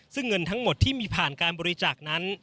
ซึ่งเงินทั้งหมดที่มีผ่านการบริจาคนั้น